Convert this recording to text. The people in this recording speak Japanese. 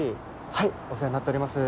はいお世話になっております。